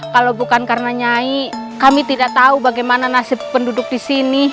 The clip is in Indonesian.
kalau bukan karena nyai kami tidak tahu bagaimana nasib penduduk di sini